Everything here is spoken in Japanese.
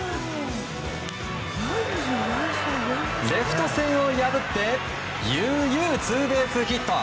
レフト線を破って悠々ツーベースヒット。